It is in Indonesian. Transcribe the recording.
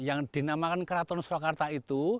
yang dinamakan keraton surakarta itu